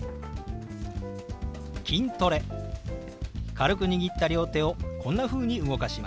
軽く握った両手をこんなふうに動かします。